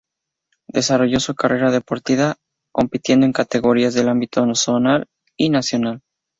Desarrolló su carrera deportiva compitiendo en categorías del ámbito zonal y nacional.